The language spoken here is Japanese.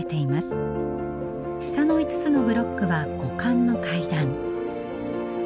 下の５つのブロックは五感の階段。